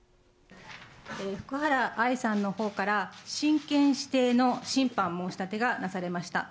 福原愛さんのほうから、親権指定の審判申し立てがなされました。